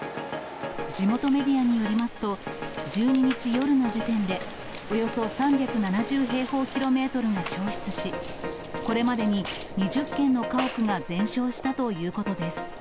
地元メディアによりますと、１２日夜の時点で、およそ３７０平方キロメートルが焼失し、これまでに２０軒の家屋が全焼したということです。